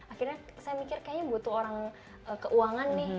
akhirnya saya mikir kayaknya butuh orang keuangan nih